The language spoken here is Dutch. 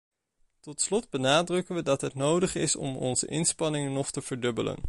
Tot slot, benadrukken we dat het nodig is om onze inspanningen nog te verdubbelen.